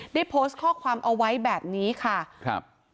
ได้โพสต์ข้อความเอาไว้แบบนี้ค่ะครับ